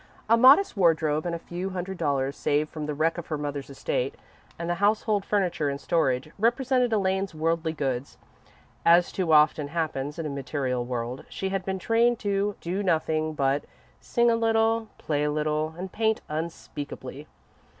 A modest wardrobe and a few hundred dollars, saved from the wreck of her mother's estate, and the household furniture in storage, represented Elaine's worldly goods. As too often happens in a material world, she had been trained to do nothing but sing a little, play a little, and paint unspeakably.